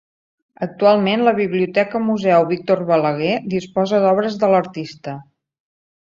Actualment, la Biblioteca Museu Víctor Balaguer disposa d'obres de l'artista.